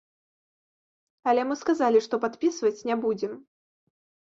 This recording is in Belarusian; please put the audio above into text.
Але мы сказалі, што падпісваць не будзем.